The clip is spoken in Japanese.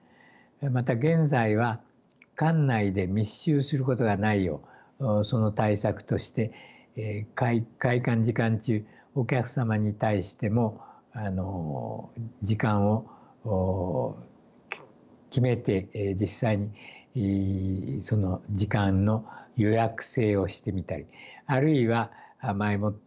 また現在は館内で密集することがないようその対策として開館時間中お客様に対しても時間を決めて実際にその時間の予約制をしてみたりあるいは前もって